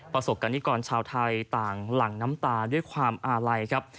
ประสบกรณิกรชาวไทยต่างหลั่งน้ำตาด้วยความอาลัยครับ